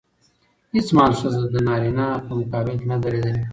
هېڅ مهال ښځه د نارينه په مقابل کې نه ده درېدلې.